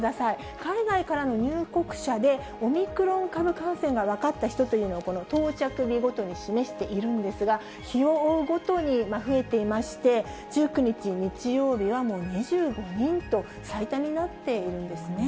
海外からの入国者でオミクロン株感染が分かった人というのは、この到着日ごとに示しているんですが、日を追うごとに増えていまして、１９日日曜日はもう２５人と、最多になっているんですね。